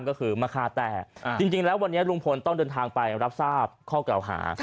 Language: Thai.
ก็คือมะคาแต่จริงแล้ววันนี้ลุงพลต้องเดินทางไปรับทราบข้อกล่าวหา